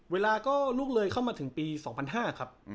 เวลาก็ล่วงเลยเข้ามาถึงปี๒๐๐๕ครับ